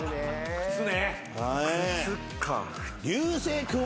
靴ね。